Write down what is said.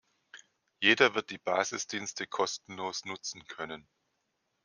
Jeder wird die Basisdienste kostenlos nutzen können.